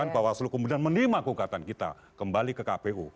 bawaslu kemudian menerima gugatan kita kembali ke kpu